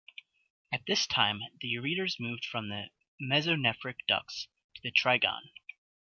At this time the ureters move from the mesonephric ducts to the trigone.